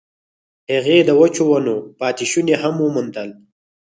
هغې د وچو ونو پاتې شوني هم وموندل.